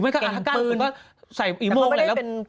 กั้นก็ใส่อีโมง